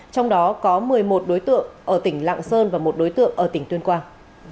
trong đó có một mươi một đối tượng ở tỉnh lạng sơn và một đối tượng ở tỉnh tuyên quang